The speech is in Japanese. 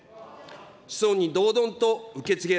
子孫に堂々と受け継げる